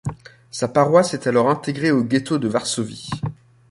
Sa paroisse est alors intégrée au ghetto de Varsovie.